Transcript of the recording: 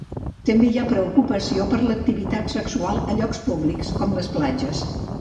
També hi ha preocupació per l'activitat sexual a llocs públics com les platges.